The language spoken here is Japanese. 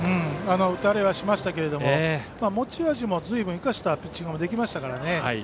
打たれはしましたけど持ち味もずいぶん生かしたピッチングもできましたから。